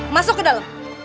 masuk ke dalam